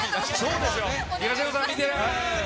東野さん、見てる？